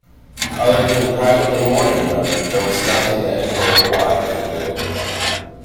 Other than privately mourning them, there was nothing that Emperor Huai could do.